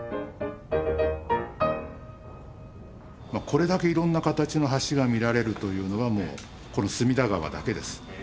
これだけいろんな形の橋が見られるというのはもうこの隅田川だけです。